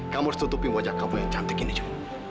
kamu harus tutupi wajah kamu yang cantik gini jules